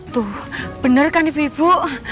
tuh bener kan ibu